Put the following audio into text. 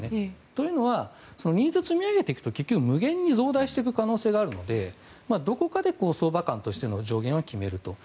というのはニーズを積み上げていくと無限に増大していく可能性があるのでどこかで相場観としての上限は決めると。